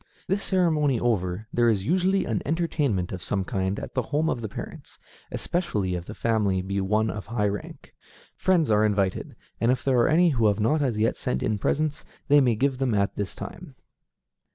This ceremony over, there is usually an entertainment of some kind at the home of the parents, especially if the family be one of high rank. Friends are invited, and if there are any who have not as yet sent in presents, they may give them at this time.